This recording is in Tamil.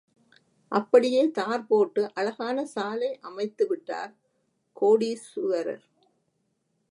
அப்படியே தார் போட்டு அழகான சாலை அமைத்து விட்டார் கோடீசுவரர்.